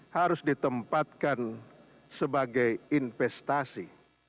harus ditempatkan sebagai investasi